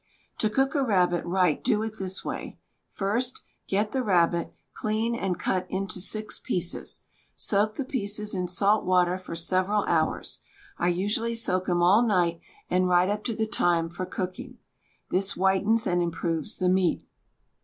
To cook a rabbit right do it this way: First — get the rabbit, clean and cut into six pieces. Soak the pieces in salt water for several hours — I usually soak 'em all night and right up to the time for cooking. This whitens and improves the meat.